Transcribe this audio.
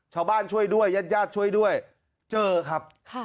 ชาวบ้านช่วยด้วยญาติยาช่วยด้วยเจอครับ